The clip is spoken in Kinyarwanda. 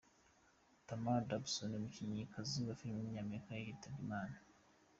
Tamara Dobson, umukinnyikazi wa flm w’umunyamerika yitabye Imana.